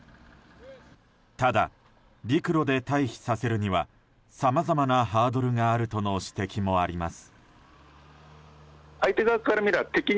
ただ、陸路で退避させるにはさまざまなハードルがあるとの指摘もあります。